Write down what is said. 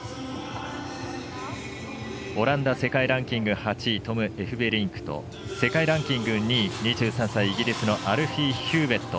オランダ、世界ランキング８位トム・エフベリンクと世界ランキング２位２３歳、イギリスのアルフィー・ヒューウェット。